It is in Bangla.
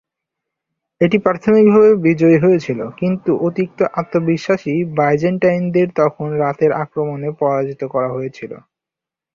এটি প্রাথমিকভাবে বিজয়ী হয়েছিল, কিন্তু অতিরিক্ত আত্মবিশ্বাসী বাইজেন্টাইনদের তখন রাতের আক্রমণে পরাজিত করা হয়েছিল।